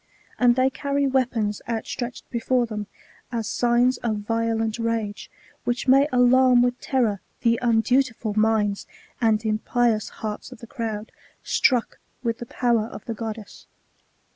And they carry weapons outstretched before them, as signs of violent rage, which may alarm with terror the undutifal minds and impious hearts of the crowd, struck with the power of the goddess.